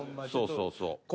そうそうそう。